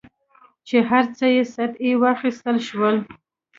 چې هر څه یې سطحي واخیستل شول.